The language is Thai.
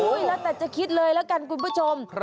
แล้วแต่จะคิดเลยแล้วกันคุณผู้ชม